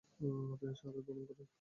তিনি শাহাদাত বরণ করেন।